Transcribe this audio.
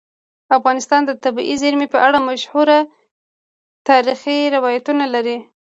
افغانستان د طبیعي زیرمې په اړه مشهور تاریخی روایتونه لري.